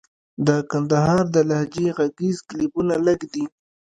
د کندهار د لهجې ږغيز کليپونه لږ دي.